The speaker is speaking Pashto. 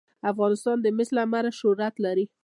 افغانستان د مس له امله شهرت لري.